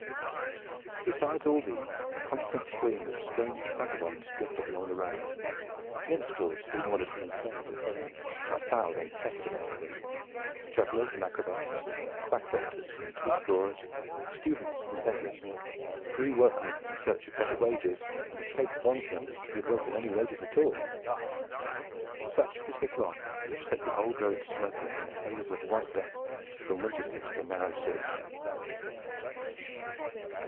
Besides all these a constant stream of strange vagabonds drifted along the road: minstrels who wandered from fair to fair, a foul and pestilent crew; jugglers and acrobats, quack doctors and tooth drawers, students and beggars, free workmen in search of better wages, and escaped bondsmen who would welcome any wages at all. Such was the throng which set the old road smoking in a haze of white dust from Winchester to the narrow sea.